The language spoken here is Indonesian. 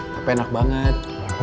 tapi enak banget